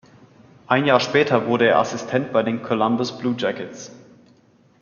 Ein Jahr später wurde er Assistent bei den Columbus Blue Jackets.